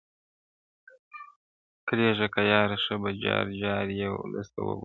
کریږه که یاره ښه په جار جار یې ولس ته وکړه-